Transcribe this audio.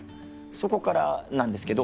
そこからなんですけど。